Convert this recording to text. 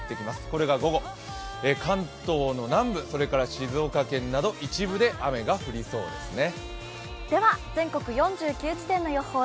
これが午後、関東の南部、それから静岡県など一部で雨が降りそうですね。